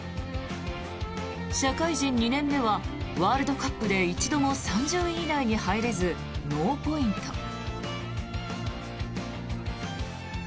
社会人２年目はワールドカップで一度も３０位以内に入れずノーポイント。